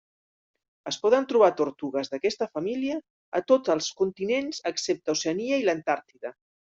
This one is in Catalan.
Es poden trobar tortugues d'aquesta família a tots els continents excepte Oceania i l'Antàrtida.